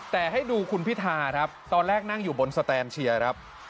แต่ให้ดูคุณพิธาครับตอนแรกนั่งอยู่บนสแตนเชียร์ครับ